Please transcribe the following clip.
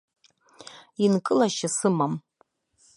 Инкылашьа сымам.